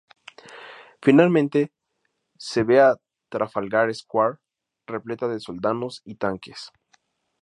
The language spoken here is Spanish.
Finalmente se ve a Trafalgar Square repleta de soldados y tanques.